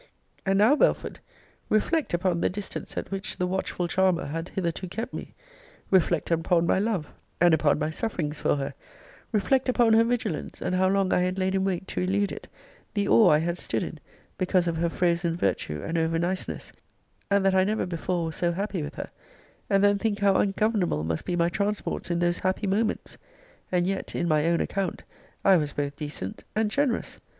And now, Belford, reflect upon the distance at which the watchful charmer had hitherto kept me: reflect upon my love, and upon my sufferings for her: reflect upon her vigilance, and how long I had laid in wait to elude it; the awe I had stood in, because of her frozen virtue and over niceness; and that I never before was so happy with her; and then think how ungovernable must be my transports in those happy moments! And yet, in my own account, I was both decent and generous.